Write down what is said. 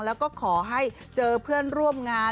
แล้วก็ขอให้เจอเพื่อนร่วมงาน